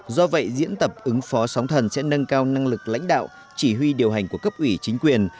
do vậy diễn tập ứng phó sóng thần sẽ nâng cao năng lực lãnh đạo chỉ huy điều hành của cấp ủy chính quyền